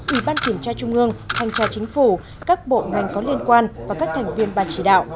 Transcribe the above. ủy ban kiểm tra trung ương thanh tra chính phủ các bộ ngành có liên quan và các thành viên ban chỉ đạo